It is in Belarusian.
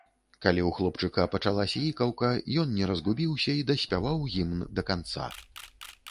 Калі ў хлопчыка пачалася ікаўка, ён не разгубіўся і даспяваў гімн да канца.